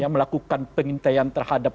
melakukan pengintelian terhadap